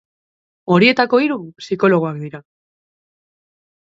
Horietako hiru psikologoak dira.